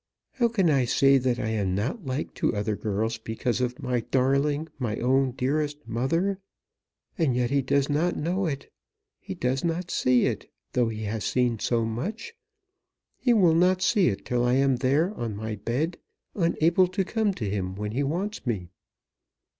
How can I say that I am not like to other girls because of my darling, my own dearest mother? And yet he does not know it. He does not see it, though he has seen so much. He will not see it till I am there, on my bed, unable to come to him when he wants me."